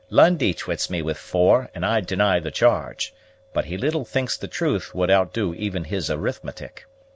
Lundie twits me with four, and I deny the charge; but he little thinks the truth would outdo even his arithmetic.